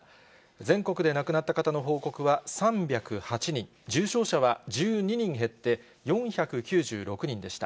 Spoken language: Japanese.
全国で亡くなった方の報告は３０８人、重症者は１２人減って４９６人でした。